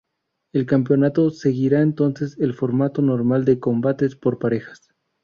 El campeonato seguirá entonces el formato normal de combates por parejas.